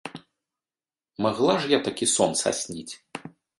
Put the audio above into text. Магла ж я такі сон сасніць.